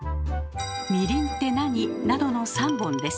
「みりんってなに？」などの３本です。